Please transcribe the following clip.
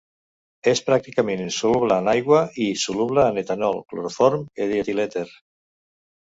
És pràcticament insoluble en aigua i soluble en etanol, cloroform i dietilèter.